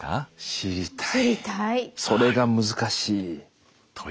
知りたい。